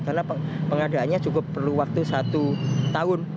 karena pengadaannya cukup perlu waktu satu tahun